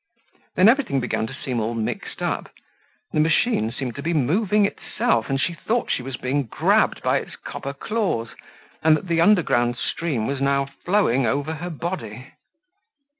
Then everything began to seem all mixed up. The machine seemed to be moving itself and she thought she was being grabbed by its copper claws, and that the underground stream was now flowing over her body.